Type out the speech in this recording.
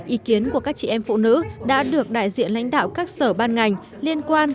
ý kiến của các chị em phụ nữ đã được đại diện lãnh đạo các sở ban ngành liên quan